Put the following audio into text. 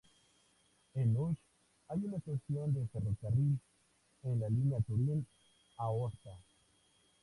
En Nus hay una estación de ferrocarril, en la línea Turín-Aosta.